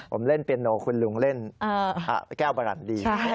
ผมเล่นเปียโนคุณลุงเล่นแก้วบารันดี